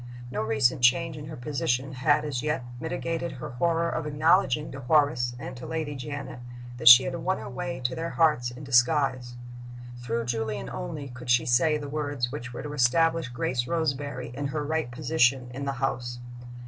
No recent change in her position had, as yet, mitigated her horror of acknowledging to Horace and to Lady Janet that she had won her way to their hearts in disguise. Through Julian only could she say the words which were to establish Grace Roseberry in her right position in the house.